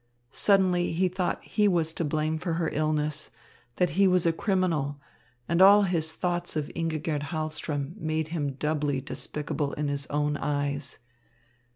Suddenly he thought he was to blame for her illness, that he was a criminal; and all his thoughts of Ingigerd Hahlström made him doubly despicable in his own eyes.